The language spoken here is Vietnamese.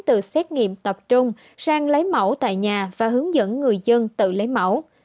từ xét nghiệm tập trung sang lấy mẫu tại nhà và hướng dẫn người dân tự lấy mẫu